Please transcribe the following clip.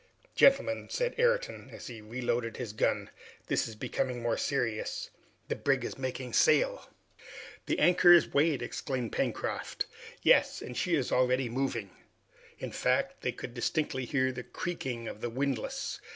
"Gentlemen," said Ayrton, as he reloaded his gun, "this is becoming more serious. The brig is making sail!" "The anchor is weighed!" exclaimed Pencroft. "Yes, and she is already moving." In fact, they could distinctly hear the creaking of the windlass.